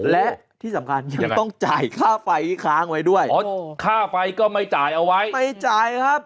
และที่สำคัญยังต้องจ่ายค่าไฟที่ค้างไว้ด้วยอ๋อค่าไฟก็ไม่จ่ายเอาไว้ไม่จ่ายครับ